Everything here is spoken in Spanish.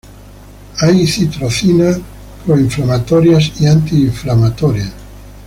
Hay citocinas proinflamatorias y antiinflamatorias.